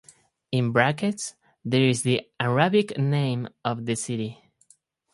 In brackets there is the Arabic name of the city.